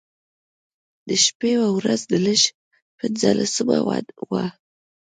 د شبې و رځ د لړم پنځلسمه وه.